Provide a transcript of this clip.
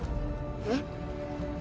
えっ？